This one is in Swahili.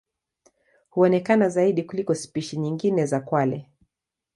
Huonekana zaidi kuliko spishi nyingine za kwale.